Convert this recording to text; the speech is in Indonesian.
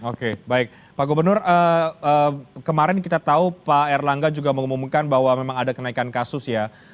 oke baik pak gubernur kemarin kita tahu pak erlangga juga mengumumkan bahwa memang ada kenaikan kasus ya